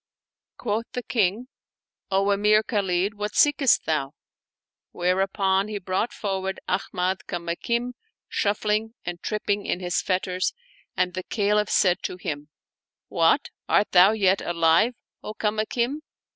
Quoth the King, " O Emir Khalid, what seekest thou? " whereupon he brought forward Ahmad Kamakim, shuf fling and tripping in his fetters, and the Caliph said to him, " What ! art thou yet alive, O Kamakim